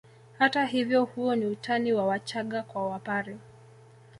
Hata hivyo huo ni utani wa Wachaga kwa Wapare